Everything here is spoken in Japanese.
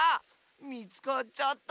みつかっちゃった？